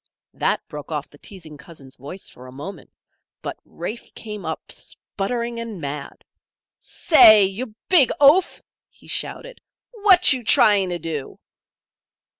That broke off the teasing cousin's voice for a moment; but Rafe came up, sputtering and mad. "Say! You big oaf!" he shouted. "What you trying to do?"